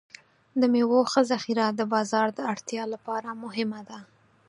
د میوو ښه ذخیره د بازار د اړتیا لپاره مهمه ده.